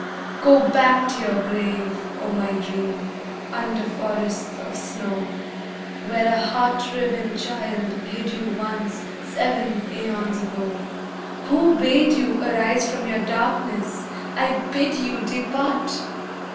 Go back to your grave, O my Dream, under forests of snow, Where a heart riven child hid you once, seven aeons ago. Who bade you arise from your darkness? I bid you depart!